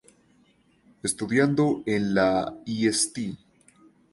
Estudiando en la St.